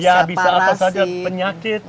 ya bisa apa saja penyakit